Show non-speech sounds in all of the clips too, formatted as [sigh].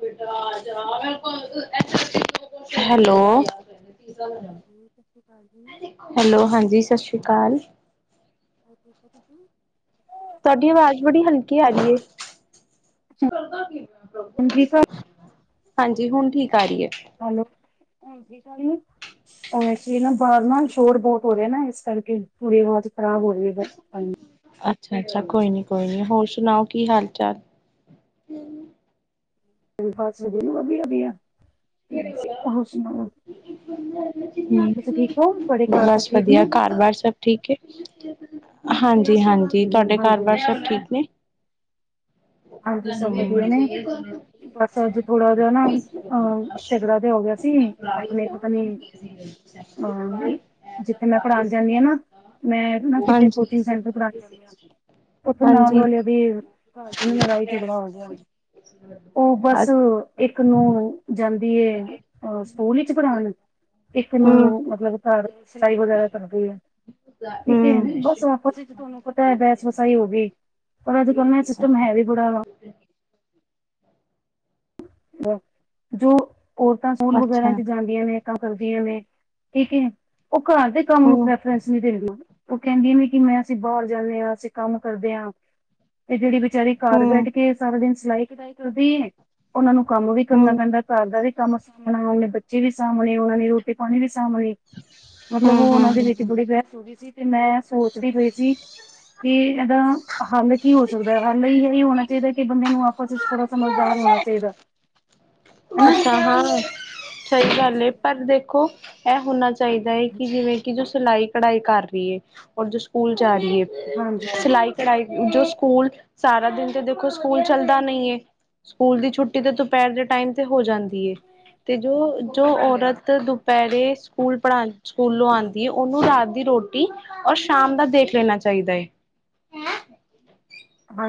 ਜਿ ਤਰਾਂ। [unintelligible] Hello. [inaudible] Hello, ਹਾਂਜੀ ਸਾਸ਼ਰੀ ਕਾਲ। [inaudible] ਤੁਹਾਡੀ ਆਵਾਜ਼ ਬੜੀ ਹਲਕੀ ਆ ਰਹੀ ਏ। ਹੁਣ ਠੀਕ ਆ? ਹਾਂਜੀ, ਹੁਣ ਠੀਕ ਆ ਰਹੀ ਏ। ਹੈਲੋ, ਹੁਣ ਠੀਕ ਆ ਰਹੀ ਏ? ਉਹ ਐਕਚੁਲੀ ਨਾ, ਬਾਹਰ ਨਾ ਸ਼ੋਰ ਬਹੁਤ ਹੋ ਰਿਹਾ ਨਾ। ਇਸ ਕਰਕੇ ਥੋੜ੍ਹੀ ਆਵਾਜ਼ ਖ਼ਰਾਬ ਹੋ ਰਹੀ ਏਧਰ। ਅੱਛਾ-ਅੱਛਾ ਕੋਈ ਨੀ, ਕੋਈ ਨੀ। ਹੋਰ ਸੁਣਾਓ ਕੀ ਹਾਲ-ਚਾਲ? ਹੱਸਦੇ ਵਧੀਆ [unintelligible] [unintelligible] ਹੋਰ ਸੁਣਾਓ ਤੁਸੀਂ ਠੀਕ ਹੋ ਤੁਹਾਡੇ ਘਰ ਸਭ ਬਸ ਠੀਕ ਨੇ? ਵਧੀਆ। ਘਾਰ-ਬਾਰ ਸਬ ਠੀਕ ਏ। ਹਾਂਜੀ-ਹਾਂਜੀ। ਹੂੰ ਤੁਹਾਡੇ ਹਾਂਜੀ ਘਾਰ-ਬਾਰ ਹਾਂਜੀ ਸਭ ਠੀਕ ਨੇ? ਹਾਂਜੀ ਸਬ ਵਧਿਆ ਨੇ। ਬਸ ਅੱਜ ਥੋੜਾ ਜਹਾ ਨਾ ਅ ਝਗੜਾ ਜਯਾ ਹੋ ਗਆ ਸੀ ਅਪਣੇ -ਅਪਨੇ ਹਾਂ ਜਿੱਥੇ ਮੈਂ ਪੜਾਣ ਜਾਂਨੀ ਆ ਨਾ ਮੈਂ ਨਾ ਕਿਤੇ ਕੋਚਿੰਗ ਸੈਂਟਰ ਪੜਾਂਦੀ ਹ ਹਾਂਜੀ। ਉੱਥੇ ਨਾਲ ਹਾਂਜੀ। ਵਾਲਯਾ ਦੀ ਦੀ ਲੜਾਈ ਚਗੜਾ ਹੋ ਗਿਆ। ਉਹ ਅੱ ਬਸ ਇੱਕ ਨੂੰ ਜਾਂ ਦੀ ਏ ਸਕੂਲ ਵਿੱਚ ਪੜਾਣ, ਇੱਕ ਹੂੰ। ਹੂੰ। ਨੂੰ ਮਤਲਬ ਕਰ ਸਾਈ ਵਗੈਰਾ ਕਰਦੀ ੲਗ [unintelligible] ਠੀਕ ਹਨ ਬਸ ਤੁਹਾਨੂੰ ਬਹ ਬਹਸ ਬਸਾਈ ਹੋ ਗਈ ਪਰ ਅੱਜ- ਕੱਲ ਨਾ ਸਿਸਟਮ ਹੈ ਵੀ ਬੜਾ‌ ਵਾ ਬ ਜੋ ਔਰਤਾਂ ਫੋਨ ਵਗੈਰਾ ਅੱਛਾ, ਚ ਗਲ ਦੀਯਾ ਨੇ ਤਾ ਕਰਦੀਆਂ ਨੇ, ਠੀਕ ਏ ਉਹ ਘਰ ਦੇ ਕੰਮ ਨੂੰ ਹੂੰ, ਪ੍ਰ ਪ੍ਰੇਸ ਨਈ ਦੇਂਦਿਆਂ। ਉਹ ਕਹੰਦੀਯਾ ਨੇ ਕਿ ਮੈਂ ਤੇ ਬਾਹਰ ਜਾਂਨੀ ਆ ਤੇ ਕੰਮ ਕਰਦੇ ਆ। ਤੇ ਜੇੜੀ ਬਚਾਰੀ ਘਰ ਹੂੰ, ਹੂੰ, ਬੈਠ ਕੇ ਸਾਰਾ ਦਿਨ ਸਲਾਈ- ਕਢਈ ਕਰਦੀ ਏ ਉਨਾ ਨੂੰ ਕੰਮ ਵੀ ਕਰਨਾ ਹੂੰ, ਪੈਂਦੈ। ਘਰ ਦਾ ਵੀ ਕੰਮ ਸਾਂਭਣਾ ਉਨੇ, ਬੱਚੇ ਵੀ ਸਾਂਭਣੇ ਉਨਾਂ ਨੇ, ਰੋਟੀ ਪਾਣੀ ਵੀ ਸਾਂਭਣੀ। ਮਤਲਬ ਹੂੰ, ਹੂੰ। ਉਹ ਉਹਨਾਂ ਦੇ ਹੂੰ। ਵਿੱਚ ਬੜੀ ਬਹਿਸ ਹੋ ਗੀ ਸੀ ਤੇ ਮੈਂ ਸੋਚਦੀ ਪਈ ਸੀ ਕਿ ਏਦਾ ਹੱਲ ਕੀ ਹੋ ਸਕਦੇ? ਹੱਲ ਇਹ ਹੀ ਹੋਣਾ ਚਾਹੀਦੈ ਕਿ ਬੰਦੇ ਨੂੰ ਆਪਸ ਥੋੜਾ ਸਮਝਦਾਰ ਹੋਨਾ ਅੱਛਾ। ਹਾਂ ਸਹੀ ਏ ਜੀ ਗੱਲ ਪਰ ਦੇਖੋ ਏਹ ਹੋਣਾ ਚਾਹੀਦੈ ਏ ਕਿ ਜਿਵੇਂ ਕਿ ਜੋ ਸਲਾਈ- ਕਢਾਈ ਕਰਦੀ ਏ ਔਰ ਜੋ ਸਕੂਲ ਜਾ ਰੀ ਏ ਹਾਂਜੀ ਹਾਂਜੀ ਸਿਲਾਈ- ਕਢਾਈ ਜੋ ਸਕੂਲ ਸਾਰਾ ਦਿਨ ਤੇ ਦੇਖੋ ਸਕੂਲ ਚੱਲਦਾ ਨਹੀਂ ਏ ਸਕੂਲ ਦੀ ਛੁੱਟੀ ਤੇ ਦੁਪਹਰ ਦੇ ਟਾਈਮ ਤੇ ਹੋ ਜਾਂਦੀ ਏ ਤੇ ਜੋ ਜੋ ਔਰਤ ਦੁਪਹਿਰੇ ਸਕੂਲ ਪੜਾ ਸਕੂਲੋਂ ਆਦੀ ਏ ਉਨੂੰ ਰਾਤ ਦੀ ਰੋਟੀ ਔਰ ਸ਼ਾਮ ਦਾ ਦੇਖ ਲੈਣਾ ਚਾਹੀਦਾ ਏ।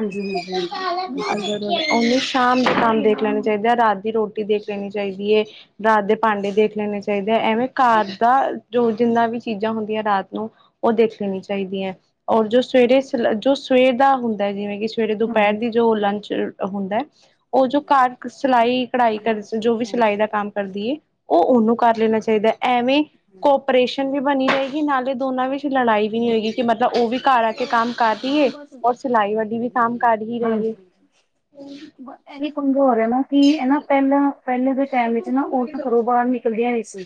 ਹ ਹਾਂਜੀ [unintelligible] ਸ਼ਾਮ ਦੇ ਕੰਮ ਦੇਖ ਲੈਣੇ ਚਾਹੀਦੈ, ਰਾਤ ਦੀ ਰੋਟੀ ਦੇਖ ਲੈਣੀ ਚਾਹੀਦੀ ਏ। ਰਾਤ ਦੇ ਭਾਂਡੇ ਦੇਖ ਲੈਣੇ ਚਾਹੀਦੇ, ਐਵੇਂ ਘਰ ਦਾ ਜੋ ਜਿੰਨਾ ਵੀ ਚੀਜ਼ਾਂ ਹੁੰਦੀਆਂ ਰਾਤ ਨੂੰ ਉਹ ਦੇਖ ਲੈਣੀ ਚਾਹੀਦੀ ਏ। ਔਰ ਜੋ ਸਵੇਰੇ ਜੋ ਸਵੇਰ ਦਾ ਹੁੰਦੈ ਜਿਵੇਂ ਕਿ ਸਵੇਰੇ ਦੁਪਹਰ ਹਾਂ ਦੀ ਜੋ ਲੰਚ ਹੁੰਦੈ। ਉਹ ਜੋ ਘਰ ਸਲਾਈ- ਕਢਾਈ ਕਰ ਹਾਂਜੀ ਜੋ ਵੀ ਸਿਲਾਈ ਦਾ ਹਾਂਜੀ ਕੰਮ ਕਰਦੀ ਏ, ਉਹ ਉਹਨੂੰ ਕਰ ਲੈਣਾ ਚਾਹੀਦੈ। ਐਵੇਂ ਕੋਪ ਪਰੇਸ਼ਨ ਵੀ ਬਣੀ ਰਏਗੀ, ਨਾਲੇ ਹਾਂਜੀ। ਦੋਨਾਂ ਵਿੱਚ ਲੜਾਈ ਵੀ ਨਹੀਂ ਹੋਏਗੀ ਕਿ ਮਤਲਬ ਉਹ ਵੀ ਘਰ ਆ ਕੇ ਕੰਮ ਕਰ ਹਾਂ ਰੀਏ। ਬਸ ਹਮ, ਸਲਾਈ ਵੱਡੀ ਵੀ ਕੰਮ ਹਮ, ਕਰ ਹੀ ਰਈ ਏ। ਏਵੀ ਕਮਜ਼ੋਰ ਹੈ ਨਾ ਕਿ ਐਨਾ ਪਹਿਲਾਂ ਪਹਿਲੇ ਦੇ ਟਾਈਮ ਵਿੱਚ ਨਾ ਔਰਤ ਘਰੋਂ ਬਾਰ ਨੀ ਕਲਦੀਧਾਂ ਨਈ ਸੀ,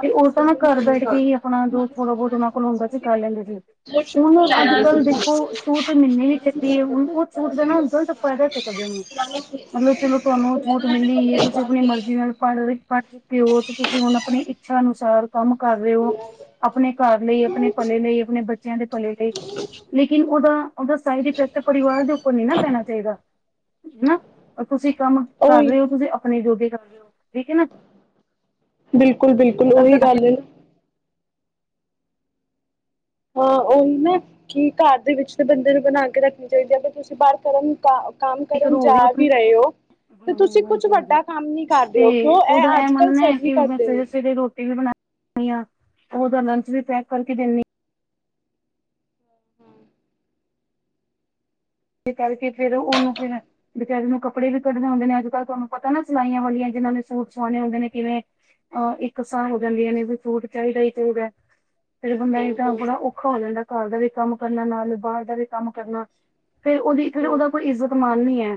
ਤੇ ਉਹ ਤਾਂ ਘਰ ਬੈਠ ਕੇ ਈ ਆਪਣਾ ਜੋ ਥੋੜਾ ਬਹੁਤ ਔਨਾ ਕੋਲ ਹੁੰਦਾ ਸੀ ਕਰ ਲੈਂਦੀਯਾ ਸੀ। ਹੁਣ ਅਜ- ਕਲ ਦੇਖੋ ਛੂਟ ਮਹੀਨੇ ਵੀ [unintelligible] ਚੀ ਹੈ ਹੁਣ ਉਹ ਛੁਟ ਦਾ ਣਾ ਹੁੰਨ ਗਲਤ [unintelligible] ਤਾਂ ਪੜਦਾ ਕਦੇੀ ਨੂੰ ਮਤਲਬ ਚਲੋ ਤਵਾਨੂੰ ਹੁਨ ਛੂਟ ਮਿਲੀ ਏ, ਤੁਸੀ ਅਪਣੀ ਮਰਜ਼ੀ ਨਾਲ ਪਢ ਰਏ ਪਢ ਪਓ ਤੇ ਤੁਸੀ ਹੁਣ ਅਪਣੀ ਇੱਛਾ ਅਨੁਸਾਰ ਕੰਮ ਕਰ ਰਹੇ ਉ, ਅਪਣੇ ਘਰ ਲਈ, ਅਪਣੇ ਭਲੇ ਲਈ, ਅਪਣੇ ਬੱਚਿਆਂ ਦੇ ਭਲੇ ਲਈ ਅ [unintelligible] ਲੇਕਿਨ ਉਦਾ ਉਦਾ ਸਾਈਡ ਇਫੈਕਟ ਪਰਿਵਾਰ ਦੇ ਉਪਰ ਨੀ ਨਾ ਪੈਣਾ ਚਾਈਦਾ। ਹੰ। ਤੁਸੀ ਕੰਮ ਕਰ ਉਹੀ ਰਹੇ ਉ ਤੁਸੀ ਅਪਣੇ ਜੋਗੇ ਕਰ ਠੀਕ ਏ ਨਾ। ਬਿਲਕੁਲ- ਬਿਲਕੁਲ ਉਹੀ ਆਪਣੀ ਗੱਲ ਹਾਂ, ਉਹ ਨਾ ਕਿ ਘਰ ਦੇ ਵਿੱਚ ਤੇ ਬੰਦੇ ਨੂੰ ਬਣਾ ਕੇ ਰੱਖਣੀ ਚਾਈਦੀ ਆ ਤੇ ਤੁਸੀ ਬਾਹਰ ਕਰਨ ਨੂੰ ਚਾ ਕੰਮ ਕਰਨ ਜਾ ਵੀ ਰਹੇ ਔ ਹਾਂਜੀ ਹਾਂਜੀ ਤੇ ਹੋ ਕਿਉਂ ਉਦਾ ਇਹ ਏ ਅੱਜ ਕੱਲ੍ਹ ਮੰਨਨਾ ਐ ਸਭੀ ਕਿ ਮੈਂ ਕਰਦੇ ਨੇ। ਸਵੇਰੇ ਸਵੇਰੇ ਰੋਟੀ ਵੀ ਬਨਾ ਬਨਾਨੀ ਆ ਸਕੂਲ ਦਾ ਲੰਚ ਵੀ ਪੈਕ ਕਰਕੇ ਦੈਂਨੀ ਆ ਹਮ ਤੇ ਕਰਕੇ ਫੇਰ ਓਨੂੰ ਫੇਰ ਬੇਚਾਰੀ ਨੂੰ ਕੱਪੜੇ ਵੀ ਕੱਢਦੇ ਹੁੰਦੇ ਨੇ ਅਜ ਕੱਲ੍ਹ ਤਹਾਨੂੰ ਪਤਾ ਏ ਨਾ ਸਿਲਾਈਆਂ ਵਾਲੀਆਂ ਜਿਨਾਂ ਨੇ ਸੂਟ ਸਵਾਉਨੇ ਹੁੰਦੇ ਨੇ ਕਿਵੇਂ ਅ ਇੱਕ ਸਾਹ ਹੋ ਜਾਂਦੀਆਂ ਨੇ ਵੀ ਸੂਟ ਚਾਈਦਾ ਈ ਤੇ ਹੋ ਗਿਆ ਫਿਰ ਬੰਦਾ ਹਾਂ ਏ ਤਾਂ ਹਾਂ ਬੜਾ ਔਖਾ ਹੋ ਜਾਂਦਾ ਕਰ ਦਾ ਵੀ ਕੰਮ ਕਰਨਾ ਨਾਲ ਬਾਰ ਦਾ ਵੀ ਕੰਮ ਕਰਨਾ ਫੇਰ ਓਦੀ ਫਿਰ ਹੂੰ ਉਹਦਾ ਕੋਈ ਇੱਜ਼ਤ ਮਾਨ ਨੀ ਏ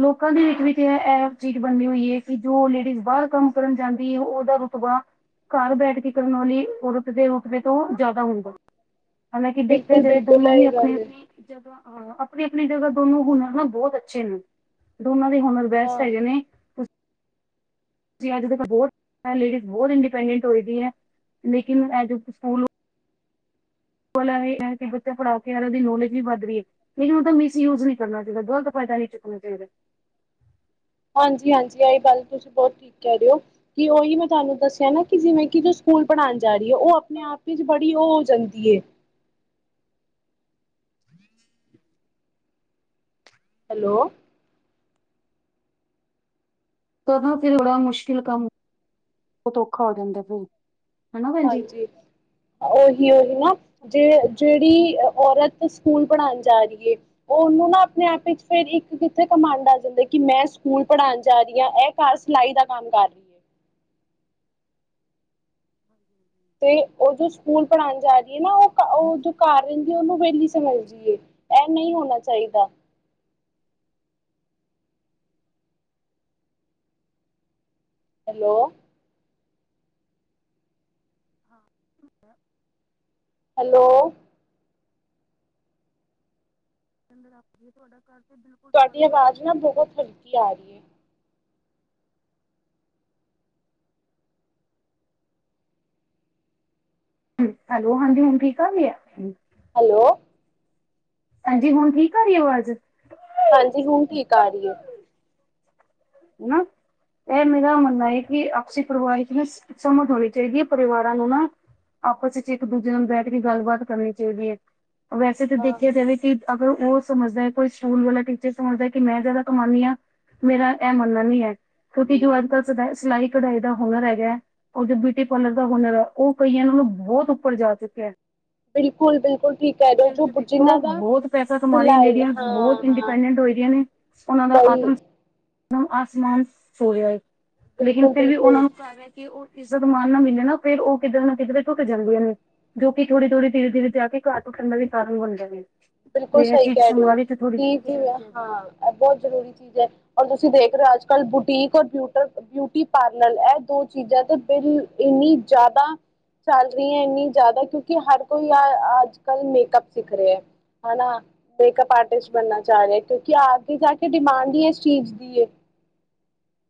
ਲੋਕਾਂ ਦੇ ਹਿੱਕ ਵਿਚ ਏ ਚੀਜ਼ ਬਨਦੀ ਹੋਈ ਏ ਕਿ ਜੋ ਲੇਡੀਜ਼ ਬਾਰ ਕੰਮ ਕਰਨ ਜਾਂਦੀ ਏ ਓਦਾ ਰੁਤਬਾ ਘਰ ਬੈਠ ਕੇ ਕਰਨ ਵਾਲੀ ਔਰਤ ਦੇ ਰੁਤਬੇ ਤੋਂ ਜ਼ਾਦਾ ਹੁੰਦਾ ਹਾਲਾਂਕਿ ਦੇਖਿਆ ਬਿਲਕੁਲ ਜਾਏ ਬਿਲਕੁਲ ਦੋਨੋ ਹੀ ਇਹੀ ਆਪਨੇ ਗੱਲ ਏ ਆਪਨੇ ਜਦੋਂ ਹਾਂ ਅਪਨੀ ਅਪਨੀ ਜਗ੍ਹਾ ਦੋਨੋ ਹੁਨਰ ਨਾ ਬੋਤ ਅੱਛੇ ਨੇ ਦੋਨਾਂ ਦੇ ਹੁਨਰ ਪਰੈਸ ਹਾਂ ਹੈਗੇ ਨੇ ਅੱਜ ਤੇ ਬੋਤ ਲੇਡੀਜ਼ ਬੋਤ ਇੰਡੀਪੈਂਡੈਂਟ ਹੋਏ ਦੀ ਏ ਲੇਕਿਨ ਅੱਜ ਸਕੂਲ ਵਾਲਾ ਇਹ ਐ ਕਿ ਬੱਚਾ ਪੜਾਓ ਕੇ ਯਾਰ ਉਹ ਦੀ ਨੌਲੇਜ ਵੀ ਵੱਧ ਰੀ ਏ ਲੇਕਿਨ ਓਦਾ ਮਿਸਯੂਜ ਨੀਂ ਕਰਨਾ ਚਾਈਦਾ ਗ਼ਲਤ ਫਾਇਦਾ ਨੀ ਚੁੱਕਨਾ ਚਾਈਦਾ ਹਾਂਜੀ ਹਾਂਜੀ ਐਹੀ ਗੱਲ ਤੁਸੀਂ ਬੋਤ ਠੀਕ ਕਹਿ ਰੇਓ ਕਿ ਓਹੀ ਮੈਂ ਤਾਨੂੰ ਦੱਸਿਆ ਨਾ ਕਿ ਜਿਵੇਂ ਕਿ ਜੋ ਸਕੂਲ ਪੜ੍ਹਾਨ ਜਾਰੀ ਏ ਉਹ ਆਪਨੇ ਆਪ ਵਿਚ ਬੜੀ ਉ ਹੋ ਜਾਂਦੀ ਏ ਹੈਲੋ ਤਾਂ ਨਾ ਫਿਰ ਬੜਾ ਮੁਸ਼ਕਿਲ ਕੰਮ ਬੋਤ ਔਖਾ ਹੋ ਜਾਂਦਾ ਫਿਰ ਹਨਾ ਭੈਣ ਜੀ। ਜੀ ਹਾਂਜੀ ਓਹੀ ਓਹੀ ਨਾ ਜੇ ਜੈਹੜੀ ਔਰਤ ਸਕੂਲ ਪੜ੍ਹਾਨ ਜਾ ਰੀਏ ਉਹਨੂੰ ਨਾ ਆਪਨੇ ਆਪ ਵਿੱਚ ਫੇਰ ਇੱਕ ਕਿੱਥੇ ਘਮੰਡ ਆ ਜਾਂਦਾ ਕਿ ਮੈਂ ਸਕੂਲ ਪੜ੍ਹਾਨ ਜਾ ਰੀਆ ਇਹ ਘਰੱ ਸਿਲਾਈ ਦਾ ਕੰਮ ਕਰ ਹੈ ਤੇ ਉਹ ਜੋ ਸਕੂਲ ਪੜ੍ਹਾਨ ਜਾ ਰੀਏ ਨਾ ਉਹ ਉਹ ਜੋ ਘਰ ਰਹੰਦੀ ਉਹਨੂੰ ਵੇਲੀ ਸਮਝਦੀ ਏ ਐ ਨਈ ਹੋਨਾ ਚਾਈਦਾ ਹੈਲੋ [unintelligible] ਹੈਲੋ ਅੰਦਰ ਰੱਖਏ ਤੁਹਾਡਾ ਘਰ ਤੇ ਬਿਲਕੁਲ ਤੁਆਡੀ ਸਵਰਗ ਵਰਗਾ ਆਵਾਜ਼ ਨਾ ਬੋਹਤ ਹਲਕੀ ਆ ਰਹੀ ਏ ਹੈਲੋ ਹਾਂਜੀ ਹੁਨ ਠੀਕ ਆ ਗੀ ਏ ਹੈਲੋ ਹਾਂਜੀ ਹੁਨ ਠੀਕ ਆ ਰੀ ਏ ਆਵਾਜ਼ ਹਾਂਜੀ ਹੁਨ ਠੀਕ ਆ ਰੀ ਏ ਹਨਾ ਏ ਮੇਰਾ ਮੰਨਨਾ ਏ ਕਿ ਆਪਸੀ ਪਰਿਵਾਰ ਚ ਨਾ ਸਮਜ ਹੋਨੀ ਚਾਹੀਦੀ ਏ ਪਰਿਵਾਰਾਂ ਨੂੰ ਨਾ ਆਪਸ ਇਚ ਇੱਕ ਦੂਜੇ ਨਾਲ ਬੈਠ ਕੇ ਗੱਲਬਾਤ ਕਰਨੀ ਚਾਈਦੀ ਏ ਵੈਸੇ ਤਾਂ ਹਾਂ ਦੇਖਿਆ ਜਾਵੇ ਕਿ ਅਗਰ ਓ ਸਮਝਦਾ ਕੋਈ ਸਕੂਲ ਵਾਲਾ ਟੀਚਰ ਸਮਝਦਾ ਕਿ ਮੈਂ ਜਾਦਾ ਕਮਾਨੀ ਆਂ, ਮੇਰਾ ਏ ਮੰਨਨਾ ਨੀ ਏ, ਕਿਂੳਕਿ ਜੋ ਅੱਜ ਕੱਲ ਸ ਸਿਲਾਈ ਕਢਾਈ ਦਾ ਹੁਨਰ ਹੈਗਾ ਓ ਜੋ ਬਿਟੀ ਪਾਰਲਰ ਦਾ ਹੁਨਰ ਐ ਉ ਕਈਆਂ ਨਾਲੋ ਬੋਹਤ ਉੱਪਰ ਜਾ ਚੁੱਕਿਆ ਬਿਲਕੁਲ ਬਿਲਕੁਲ ਠੀਕ ਕਹਿ ਰਹੇ ਹੋ ਜੋ ਦੇਖੋ ਜਿਨਾਂ ਦਾ ਬੋਤ ਪੈਸਾ ਕਮਾ ਰਈਆ ਸਿਲਾਈ ਲੇਡੀਆਸ ਹਾਂ ਬੋਤ ਹਾਂ ਇੰਡੀਪੈਂਡੈਂਟ ਹੋਈ ਦੀਆਂ ਨੇ ਉਨਾ ਦਾ ਬਈ ਆਤਮਸਮਾਨ ਆਸਮਾਨ ਸੋਏਆ ਏ ਲੇਕਿਨ ਬਿਲਕੁਲ ਫਿਰ ਵੀ ਬਿਲਕੁਲ ਓਨਾਂ ਨੂੰ ਕਿ ਓ ਇੱਜ਼ਤ ਮਾਨ ਨਾ ਮਿਲੇ ਨਾ ਫੇਰ ਓ ਕਿਧਰੇ ਨਾ ਕਿਧਰੇ ਟੁੱਟ ਜਾਂਦੀਆਂ ਨੇ। ਜੋ ਕਿ ਥੋੜੀ-ਥੋੜੀ ਧੀਰੇ-ਧੀੇਰੇ ਤੇ ਆ ਕੇ ਘਾਰ ਟੁੱਟਨ ਦਾ ਵੀ ਕਾਰਨ ਬਨ ਦਾ ਵੇ। ਬਿਲਕੁਲ ਸਈ ਕੈ ਰੇ ਓ ਕਿ ਜਾਣੀ ਜਿਵੇਂ ਚਾਹੀਦੀ ਹੈ ਹਾਂ ਐ ਬੋਤ ਜਰੂਰੀ ਚੀਜ ਐ। ਔਰ ਤੁਸੀਂ ਦੇਖ ਰੇ ਓ ਅੱਜ-ਕੱਲ ਬੁਟੀਕ ਔਰ ਬਿਊਟਰ ਬਿਊਟੀ ਪਾਰਲਰ ਐ ਦੋ ਚੀਜਾਂ ਤੇ ਬਿਲ ਇੰਨੀ ਜਾਦਾ ਚੱਲ ਰੀਐਂ ਇੰਨੀ ਜਾਦਾ ਕਿਓਂਕਿ ਹਰ ਕੋਈ ਆ ਅੱਜ-ਕੱਲ ਮੇਕਅਪ ਸਿੱਖ ਰਿਐ। ਹੈ ਨਾ ਮੇਕਅਪ ਆਰਟਿਸਟ ਜੀ ਜੀ ਬਨਨਾ ਚਾਅ ਰਿਐ ਕਿਉਂਕਿ ਆਗੇ ਜਾ ਕੇ ਡਿਮਾਂਡ ਈ ਇਸ ਚੀਜ ਦੀ ਏ।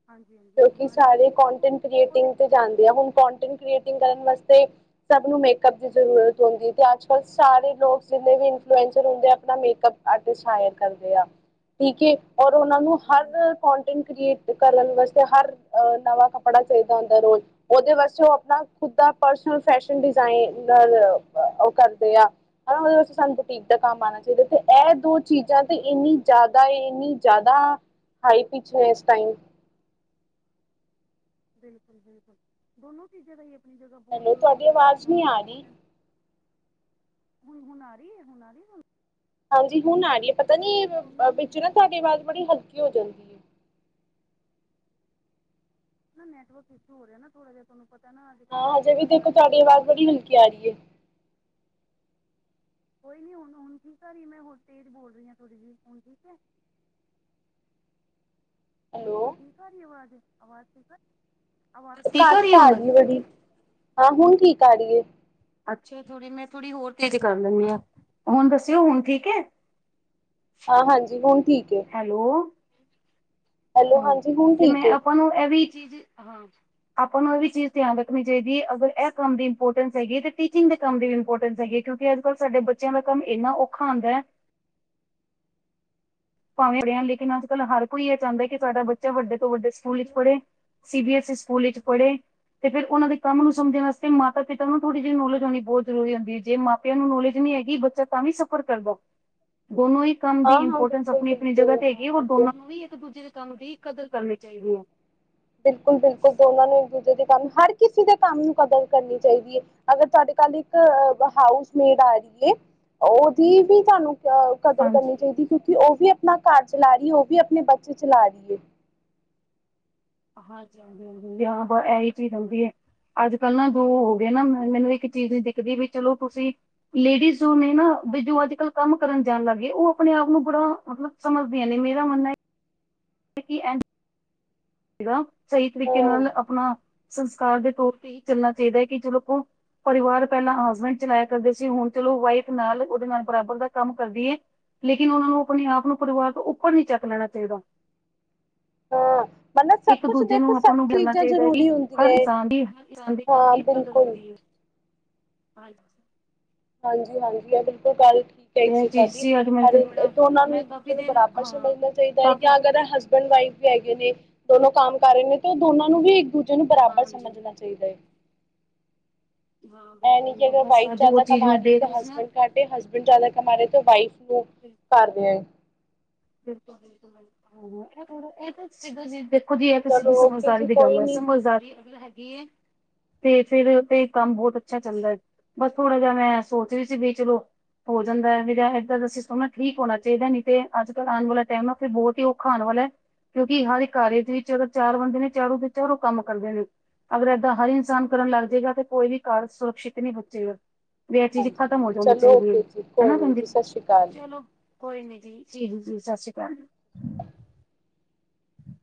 ਹਾਂਜੀ ਹਾਂਜੀ ਕਿਓਂਕਿ ਡਿਮਾਂਡ ਸਾਰੇ ਵੀ ਹੈ ਉਹ ਕੋਂਟੈਂਟ ਉਹ ਕ੍ਰੀਏਟਿੰਗ ਤੇ ਦੇਖੋ ਜਾਂਦੇ ਆ। ਹੁਨ ਕੋਂਟੈਂਟ ਕ੍ਰੀਏਟਿੰਗ ਕਰਨ ਵਾਸਤੇ ਸਭ ਨੂੰ ਮੇਕਅਪ ਦੀ ਜ਼ਰੂਰਤ ਹੁੰਦੀ ਏ ਤੇ ਅੱਜ-ਕੱਲ ਸਾਰੇ ਲੋਕ ਜਿੰਨੇ ਵੀ ਇਨਫਲੂਐਂਸਰ ਹੁੰਦੇ ਐ ਆਪਨਾ ਮੇਕਅਪ ਆਰਟਿਸਟ ਹਾਇਰ ਕਰਦੇ ਆ, ਠੀਕ ਏ। ਔਰ ਓਨਾਂ ਨੂੰ ਹਾਂਜੀ ਹਾਂਜੀ ਹਰ ਕੋਂਟੈਂਟ ਕ੍ਰੀਏਟ ਕਰਨ ਵਾਸ ਤੇ ਹਰ ਅ ਨਵਾਂ ਕੱਪੜਾ ਚਾਈਦਾ ਹੁੰਦੈ ਰੋਜ। ਓਦੇ ਵਾਸਤੇ ਓ ਆਪਨਾ ਖੁਦ ਦਾ ਪਰਸਨਲ ਫੈਸ਼ਨ ਡਿਜ਼ਾਇਨਰ ਓ ਕਰਦੇ ਆ ਔਰ ਅਸੀ ਸਾਨੂੰ ਠੀਕ ਤਾਂ ਕੰਮ ਆਨਾ ਚਾਈਦਾ ਤੇ ਐ ਦੋ ਚੀਜਾਂ ਤੇ ਏਨੀਂ ਜਾਦਾ ਏ, ਏਨੀਂ ਜਾਦਾ ਹਾਈ ਪਿੱਚ ਨੇ ਏਸ ਟਾਈਮ ਬਿਲਕੁਲ-ਬਿਲਕੁਲ ਦੋਨੋ ਚੀਜਾਂ ਦਾ ਈ ਆਪਨੀ ਜਗਾ ਬੋਤ ਹੈਲੋ ਤੁਹਾਡੀ ਮਤਲਬ ਆਵਾਜ਼ ਆਪਨਾ ਨਹੀਂ ਆ ਰਹੀ ਇੰਪੋਰਟੈਂਸ ਹੁਨ, ਹੂਨ ਆ ਰੀ ਏ, ਹੂਨ ਆ ਰੀ ਏ ਤੁਆਨੂੰ ਹਾਂਜੀ ਹੁਨ ਆ ਰੀ ਏ। ਪਤਾ ਨੀ ਸੀ ਦੋਨਾਂ ਅ ਹੀ ਵਿੱਚ ਨਾ ਚੀਜ਼ਾਂ ਦੀ ਤੁਆਡੀ ਆਵਾਜ਼ ਇੰਪੋਰਟੈਂਸ ਹੈ ਬੜੀ ਹਲਕੀ ਹੋ ਜਾਂਦੀ ਏ। ਐ ਨਾ ਨੈਟਵਰਕ ਇਸ਼ੂ ਹੋ ਰਿਐ ਨਾ ਥੋੜਾ ਜਿਆ ਤੁਆਨੂੰ ਹਾਂ ਹਜੇ ਵੀ ਦੇਖੋ ਤੁਆਡੀ ਆਵਾਜ਼ ਬੜੀ ਦਾ ਹੈ। ਹਲਕੀ ਆ ਰੀ ਏ। ਕੋਈ ਨੀ ਹੁਨ, ਹੂਨ ਠੀਕ ਏ ਮੈਂ ਹੋਰ ਤੇਜ ਬੋਲ ਰੀ ਆਂ ਥੋੜੀ ਜੀ। ਹੁਨ ਠੀਕ ਐ? ਹੁਨ, ਹੈਲੋ ਹੂਨ ਠੀਕ ਆ ਰੀ ਏ ਆਵਾਜ, ਆਵਾਜ ਠੀਕ ਆ ਰੀ ਘੱਟ ਆ ਰੀ ਏ ਬੜੀ। ਹਾਂ, ਹੁਨ ਠੀਕ ਆ ਰੀ ਏ। ਅੱਛਾ ਜੀ, ਥੋੜੀ ਮੈਂ ਥੋੜੀ ਹੋਰ ਤੇਜ ਕਰ ਲੇਨੀਂ ਆਂ। ਹੁਨ ਦਸਿਓ ਹੁਨ ਠੀਕ ਏ? ਹਾਂ ਹਾਂਜੀ ਹੁਨ ਠੀਕ ਏ। ਹੈਲੋ। ਹਾਂ ਹਾਂਜੀ ਹੁਣ ਤੇ ਮੈਂ ਠੀਕ ਹੈ ਆਪਾਂ ਨੂੰ ਐ ਵੀ ਚੀਜ, ਹਾਂ ਆਪਾਂ ਨੂੰ ਐ ਵੀ ਚੀਜ ਧਿਆਨ ਰੱਖਨੀ ਚਾਈਦੀ ਏ ਅਗਰ ਐ ਕੰਮ ਦੀ ਇੰਪੋਰਟੈਂਸ ਹੈਗੀ ਏ ਤੇ ਟੀਚਿੰਗ ਦੇ ਕੰਮ ਦੀ ਵੀ ਇੰਪੋਰਟੈਂਸ ਹੈਗੀ ਏ। ਕਿਓਂਕਿ ਅੱਜ-ਕਲ ਸਾਡੇ ਬੱਚਿਆਂ ਦਾ ਕੰਮ ਏਨਾਂ ਔਖਾ ਹੁੰਦੈ ਭਾਵੇਂ ਹੈਗੇ ਆਂ ਲੇਕਿਨ ਅੱਜ-ਕੱਲ ਹਰ ਕੋਈ ਏ ਚਾਂਦਾ ਐ ਕਿ ਸਾਡਾ ਬੱਚਾ ਵੱਡੇ ਤੋਂ ਵੱਡੇ ਸਕੂਲ ਇੱਚ ਪੜੇ। C B S E school ਇੱਚ ਪੜੇ। ਤੇ ਫੇਰ ਓਨਾਂ ਦੇ ਕੰਮ ਨੂੰ ਸਮਝਨ ਆਸਤੇ ਮਾਤਾ ਪਿਤਾ ਨੂੰ ਥੋੜੀ ਜੀ ਨੋਲੇਜ ਹੋਨੀ ਬੋਤ ਜਰੂਰੀ ਹੁੰਦੀ ਏ ਜੇ ਮਾਂ ਪਿਓ ਨੂੰ ਨੌਲੇਜ ਨੀ ਹੈਗੀ ਬੱਚਾ ਤਾਂ ਵੀ ਸੱਫਰ ਕਰਦੈ। ਦੋਨੋ ਹੀ ਕੰਮ ਦੀ ਹਾਂ ਹਾਂ ਇੰਪੋਰਟੈਂਸ ਬਿਲਕੁਲ ਆਪਨੀ-ਆਪਨੀ ਜਗਾ ਬਿਲਕੁਲ ਤੇ ਹੈਗੀ ਏ ਔਰ ਹਾਂ ਦੋਨਾਂ ਨੂੰ ਵੀ ਇੱਕ ਦੂਜੇ ਦੇ ਕੰਮ ਦੀ ਕਦਰ ਕਰਨੀ ਚਾਈਦੀ ਐ। ਬਿਲਕੁਲ-ਬਿਲਕੁਲ ਦੋਨਾਂ ਨੂੰ ਇੱਕ ਦੂਜੇ ਦੇ ਕੰਮ, ਹਰ ਕਿਸੀ ਦੇ ਕੰਮ ਨੂੰ ਕਦਰ ਕਰਨੀ ਚਾਈਦੀ ਏ। ਅਗਰ ਤੁਆਡੇ ਕੱਲ ਇੱਕ ਅ ਹਾਊਸਮੇਟ ਆ ਰੀ ਏ ਓਦੀ ਵੀ ਤੁਆਨੂੰ ਕ ਕਦਰ ਹਾਂਜੀ, ਕਰਨੀ ਚਾਈਦੀ ਕਿਉਂਕਿ ਓ ਵੀ ਆਪਨਾ ਘਰ ਚਲਾ ਰੀ ਹੈਗੀ ਏ, ਆਪਨੇ ਬੱਚੇ ਚਲਾ ਰੀ ਏ। ਹਾਂਜੀ-ਹਾਂਜੀ, ਹੁੰਦਿਆਂ ਬ ਐਹੀ ਚੀਜ਼ ਹੁੰਦੀ ਏ। ਅੱਜ-ਕੱਲ ਨਾ ਦੋ ਹੋ ਗੇ ਨਾ ਮ ਮੈਨੂੰ ਇੱਕ ਚੀਜ ਨੀ ਦਿਖਦੀ ਵੀ ਚਲੋ ਤੁਸੀਂ ਲੇਡੀਜ਼ ਹੁੰਦੀ ਨਾ ਬਈ ਜੋ ਅੱਜ-ਕੱਲ ਕੰਮ ਕਰਨ ਜਾਨ ਲੱਗ ਗਏ ਓ ਆਪਨੇ ਆਪ ਨੂੰ ਬੜਾ ਮਤਲਬ ਸਮਝਦੀਆਂ ਨੇ, ਮੇਰਾ ਮੰਨ ਐ ਤੇ ਕੀ ਐਂਝ ਸੀਗਾ ਸਈ ਤਰੀਕੇ ਹਾਂ ਨਾਲ ਆਪਨਾ ਸੰਸਕਾਰ ਦੇ ਤੌਰ ਤੇ ਹੀ ਚੱਲਨਾ ਚਾਈਦੈ ਕਿ ਚਲੋ ਕੋ ਪਰਿਵਾਰ ਪੈਲਾਂ ਹਸਬੈਂਡ ਚਲਾਇਆ ਕਰਦੇ ਸੀ, ਹੂਨ ਚਲੋ ਵਾਈਫ ਨਾਲ ਓਦੇ ਨਾਲ ਬਰਾਬਰ ਦਾ ਕੰਮ ਕਰਦੀ ਏ। ਲੇਕਿਨ ਓਨਾਂ ਨੂੰ ਆਪਨੇ ਆਪ ਨੂੰ ਪਰਿਵਾਰ ਤੋਂ ਉੱਪਰ ਨੀ ਚੱਕ ਲੈਨਾ ਚਾਈਦਾ। ਹਾਂ ਮਤਲਬ ਸਭ ਇੱਕ ਕੁਛ ਦੂਜੇ ਨੂੰ ਦੇਖੋ ਆਪਾਂ ਸਭ ਨੂੰ ਕਹਿਣਾ ਚੀਜ਼ਾਂ ਚਾਹੀਦਾ ਕਿ ਜ਼ਰੂਰੀ ਹੁੰਦੀ ਹਰ ਹੈ ਇਨਸਾਨ ਦੀ ਹਰ ਇਨਸਾਨ ਦੀ ਹਾਂ ਕਮੀ ਕਦਰ ਬਿਲਕੁਲ ਆਉਦੀ ਹੈ ਹਾਂਜੀ ਹਾਂਜੀ ਹਾਂਜੀ ਇਹ ਕਿੱਧਰ ਗੱਲ ਤੇ ਇਹ ਕਏ ਚੀਜ਼ ਸਾਡੀ ਸੀ ਅੱਜ ਮੈਂ ਫਿਰ ਹਰੇਕ ਮੇਰਾ ਦੋਨਾਂ ਨੂੰ ਮੈਂ ਇੱਕ ਕਾਫ਼ੀ ਦੂਜੇ ਨੂੰ ਦੇਰ ਬਰਾਬਰ ਹਾਂ ਸਮਝਣਾ ਚਾਹੀਦਾ ਹੈ ਕਾਫੀ ਜਾਂ ਅਗਰ ਹਸ ਹਸਬੈਂਡ ਵਾਈਫ ਵੀ ਹੈਗੇ ਨੇ ਦੋਨੋ ਕੰਮ ਕਰ ਰਹੇ ਨੇ ਤੇ ਉਹ ਦੋਨਾਂ ਨੂੰ ਵੀ ਇੱਕ ਦੂਜੇ ਨੂੰ ਹਾਂ ਬਰਾਬਰ ਹਾਂਜੀ ਸਮਝਣਾ ਚਾਹੀਦਾ ਚਾਹੀਦਾ ਏ ਹਾਂ ਇਹ ਬਿਲਕੁਲ ਨੀ ਕਿ ਬਿਲਕੁਲ ਅਗਰ ਬਸ ਵਾਈਫ ਅੱਜ ਉਹ ਜ਼ਿਆਦਾ ਚੀਜ਼ ਕਮਾ ਮੈਂ ਰਹੀ ਹੈ ਦੇਖ ਤਾਂ ਸੀ ਨਾ ਹਸਬੈਂਡ ਘੱਟ ਤੇ ਹਸਬੈਂਡ ਜਿਆਦਾ ਕਮਾ ਰਹੇ ਤੇ ਵਾਈਫ ਨੂੰ ਫਿਰ ਕਰਦੇ ਆ ਤੇ ਬਿਲਕੁਲ ਬਿਲਕੁਲ ਇਹ ਤਾਂ ਸਿੱਧਾ ਜੀ ਖੁਦ ਹੀ ਇਹ ਸਿੱਧੀ ਚਲੋ ਓਕੇ ਸਮਝਦਾਰੀ ਜੀ ਦੀ ਗੱਲ ਕੋਈ ਹੈ ਨਹੀਂ ਸਮਝਦਾਰੀ ਅਗਰ ਹੈਗੀ ਏ ਤੇ ਫੇਰ ਤੇ ਕੰਮ ਬਹੁਤ ਅੱਛਾ ਚੱਲਦਾ ਬਸ ਥੋੜਾ ਜਿਹਾ ਮੈਂ ਸੋਚ ਰਹੀ ਸੀ ਵੀ ਚਲੋ ਹੋ ਜਾਂਦਾ ਏ ਵਿ ਜਾਂ ਇੱਦਾਂ ਦਾ ਸਿਸਟਮ ਨਾ ਠੀਕ ਹੋਣਾ ਚਾਹੀਦਾ ਨਈ ਤੇ ਅੱਜ ਕੱਲ ਆਉਣ ਵਾਲਾ ਟਾਈਮ ਹੈ ਫਿਰ ਬਹੁਤ ਹੀ ਔਖਾ ਆਉਣ ਵਾਲਾ ਹੈ ਕਿਉਂਕਿ ਹਰ ਇੱਕ ਘਰ ਦੇ ਵਿੱਚ ਅਗਰ ਚਾਰ ਬੰਦੇ ਨੇ ਚਾਰੋ ਤੇ ਚਾਰੋਂ ਕੰਮ ਕਰਦੇ ਨੇ ਅਗਰ ਏਦਾਂ ਹਰ ਇਨਸਾਨ ਕਰਨ ਲੱਗ ਜਾਏਗਾ ਤੇ ਕੋਈ ਵੀ ਘਰ ਸੁਰੱਕਸ਼ਿਤ ਨਹੀਂ ਬਚੇਗਾ ਤੇ ਇਹ ਚੀਜ਼ ਹਾਂਜੀ ਖਤਮ ਹੋ ਹਾਂਜੀ ਜਾਣੀ ਚਲੋ ਚਾਹੀਦੀ ਹੈ ਓਕੇ ਜੀ ਕੋਈ ਹਨਾ ਨਹੀਂ ਜੀ ਸੰਦੀਪ ਸਤਿ ਸ਼੍ਰੀ ਅਕਾਲ ਚਲੋ ਕੋਈ ਨੀ ਜੀ ਜੀ ਜੀ ਸਤਿ ਸ੍ਰੀ ਅਕਾਲ ਹਮ